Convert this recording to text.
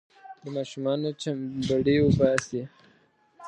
د ماشومانو چمبړې وباسي.